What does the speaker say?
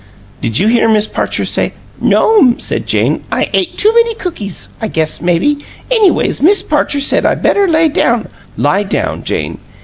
"Did you hear Miss Parcher say " "No'm," said Jane. "I ate too many cookies, I guess, maybe. Anyways, Miss Parcher said I better lay down " "LIE down, Jane."